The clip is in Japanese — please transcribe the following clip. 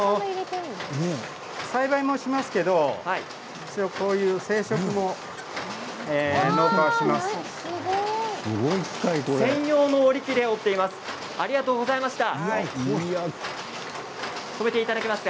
栽培もしますけどこういう製織も農家がします。